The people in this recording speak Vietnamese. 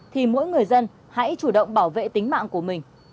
thì mỗi người dân hãy chủ động bảo vệ tính mạng của mình